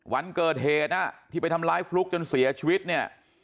วันเกิดเหตุที่ไปทำร้ายฟลุ๊กจนเสียชีวิตเนี่ย